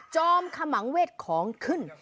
จอมขมังเวทของขึ้น